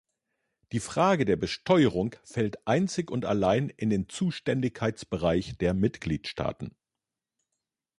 Die Frage der Besteuerung fällt einzig und allein in den Zuständigkeitsbereich der Mitgliedstaaten.